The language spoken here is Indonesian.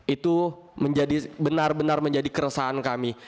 itu benar benar menjadi keresahan kami